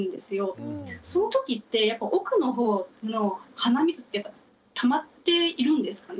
そのときって奥の方の鼻水ってたまっているんですかね？